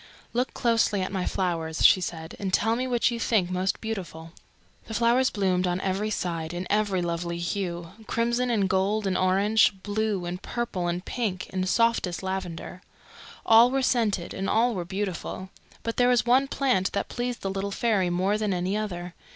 "Look closely at my flowers," she said, "and tell me which you think most beautiful." The flowers bloomed on every side, in every lovely hue crimson and gold and orange, blue and purple and pink and softest lavender. All were scented, and all were beautiful; but there was one plant that pleased the little fairy more than any other.